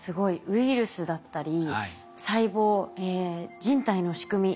ウイルスだったり細胞人体の仕組み